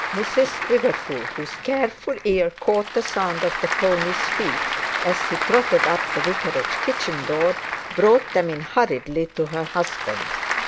Mrs Quiverful, whose careful ear caught the sound of the pony's feet as he trotted up to the vicarage kitchen door, brought them in hurriedly to her husband.